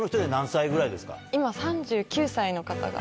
今３９歳の方が。